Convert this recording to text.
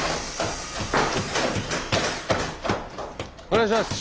お願いします。